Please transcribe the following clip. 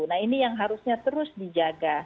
nah ini yang harusnya terus dijaga